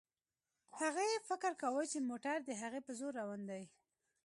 هغې فکر کاوه چې موټر د هغې په زور روان دی.